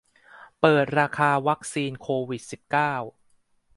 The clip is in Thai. เปิดราคาวัคซีนโควิด สิบเก้า